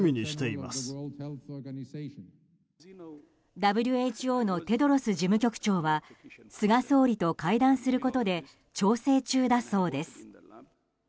ＷＨＯのテドロス事務局長は菅総理と会談することで調整中だそうです。